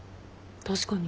確かに。